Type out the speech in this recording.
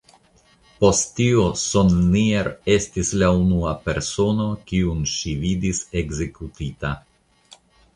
Post tio Sonnier estis la unua persono kiun ŝi vidis ekzekutita.